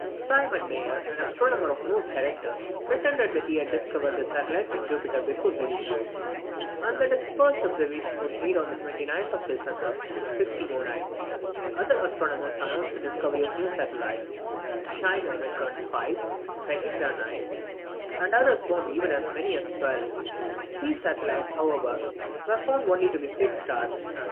Simon Mayer, an astronomer of no character, pretended that he had discovered the satellites of Jupiter before Galileo, and that his first observation was made on the 29th of December, 1609. Other astronomers announced the discovery of new satellites: Scheiner reckoned five, Rheita nine, and others found even so many as twelve: these satellites, however, were found to be only fixed stars.